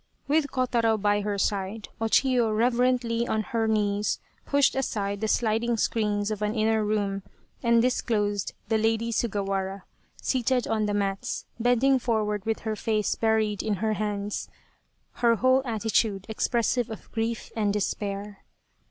With Kotaro by her side, O Chiyo reverently on her knees pushed aside the sliding screens of an inner room, and disclosed the Lady Sugawara seated on the mats, bending forward with her face buried in her hands, her whole attitude expressive of grief and despair.